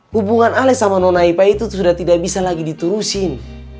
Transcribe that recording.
hubungan ale sama nona ipa itu sudah tidak bisa lagi diturusin